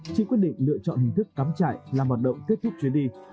chị quyết định lựa chọn hình thức cắm trại làm hoạt động kết thúc chuyến đi